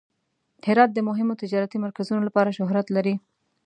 هرات د مهمو تجارتي مرکزونو لپاره شهرت لري.